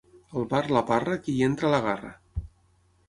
Al bar La Parra, qui hi entra l'agarra.